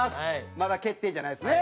まだ決定じゃないですね。